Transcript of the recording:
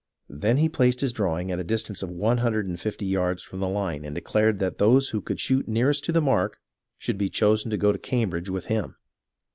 Then he placed his drawing at a distance of one hundred and fifty yards from the Hne and declared that those who could shoot nearest to the mark should be chosen to go to Cambridge with him.